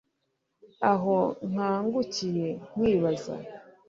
aho nkangukiye nkibaza